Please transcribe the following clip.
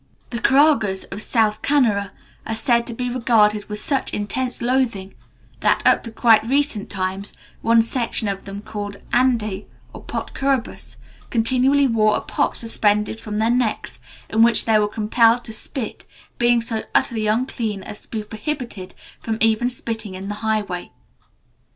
The Koragas of South Canara are said to be regarded with such intense loathing that, up to quite recent times, one section of them called Ande or pot Kurubas, continually wore a pot suspended from their necks, into which they were compelled to spit, being so utterly unclean as to be prohibited from even spitting on the highway.